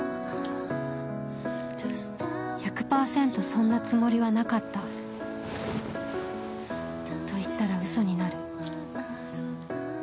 １００％そんなつもりはなかったと言ったら嘘になる。